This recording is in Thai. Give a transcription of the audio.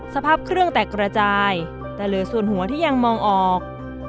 สภาพเครื่องแตกกระจายแต่เหลือส่วนหัวที่ยังมองออก